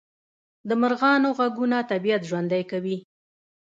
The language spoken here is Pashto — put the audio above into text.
د مرغانو غږونه طبیعت ژوندی کوي